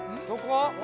どこ？